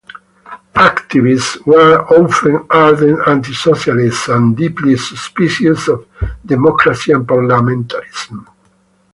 Activists were often ardent anti-Socialists and deeply suspicious of democracy and parliamentarism.